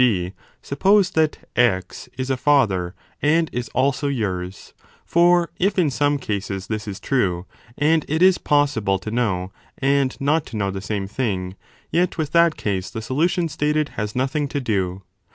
g. 15 suppose that X is a father, and is also yours : for if in some cases this is true and it is possible to know and not to know the same thing, yet with that case the solution stated has nothing to do.